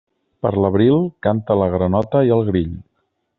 Per l'abril, canta la granota i el grill.